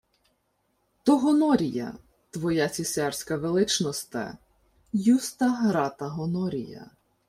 — То Гонорія, твоя цісарська величносте. Юста-Грата Гонорія.